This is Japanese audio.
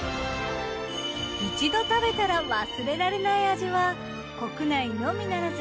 一度食べたら忘れられない味は国内のみならず海外の方も魅了。